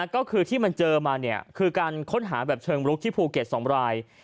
ก็คือที่มันเจอมาคือการค้นหาแบบเชิงลุกที่ภูเก็ต๒ราย